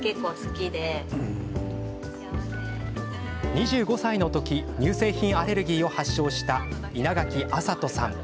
２５歳の時乳製品アレルギーを発症した会社員の稲垣安里さん。